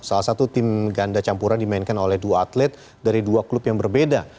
salah satu tim ganda campuran dimainkan oleh dua atlet dari dua klub yang berbeda